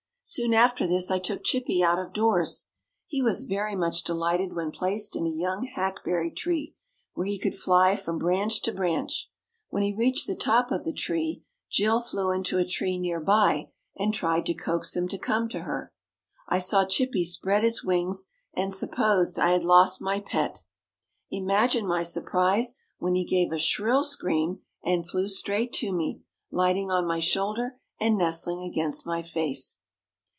Soon after this I took Chippy out of doors. He was very much delighted when placed in a young hackberry tree, where he could fly from branch to branch. When he reached the top of the tree Jill flew into a tree near by and tried to coax him to come to her. I saw Chippy spread his wings and supposed I had lost my pet. Imagine my surprise when he gave a shrill scream and flew straight to me, lighting on my shoulder and nestling against my face.